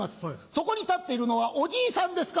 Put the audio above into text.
そこに立っているのはおじいさんですか？